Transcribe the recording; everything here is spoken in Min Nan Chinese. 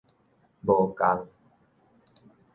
無仝